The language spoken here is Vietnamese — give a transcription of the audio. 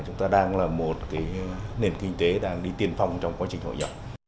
chúng ta đang là một nền kinh tế đang đi tiên phong trong quá trình hội nhập